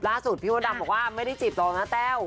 ล่าสุดพี่ประดับบอกว่าไม่ได้จีบตัวลงนะแต้ว